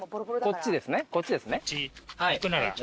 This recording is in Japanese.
こっちですね。